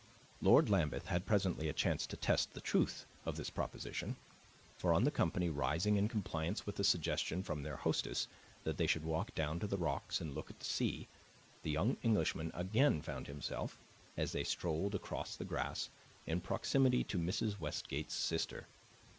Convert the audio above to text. Lord Lambeth had presently a chance to test the truth of this proposition, for on the company rising in compliance with a suggestion from their hostess that they should walk down to the rocks and look at the sea, the young Englishman again found himself, as they strolled across the grass, in proximity to Mrs. Westgate's sister.